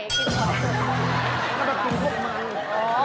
ก็มากินพวกมัน